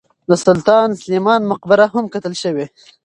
د سلطان سلیمان مقبره هم کتل شوې.